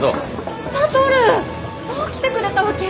もう来てくれたわけ？